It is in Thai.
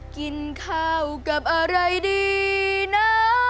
กินข้าวกับอะไรดีนะ